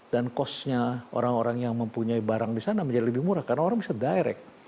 dan cost nya orang orang yang mempunyai barang di sana menjadi lebih murah karena orang bisa direct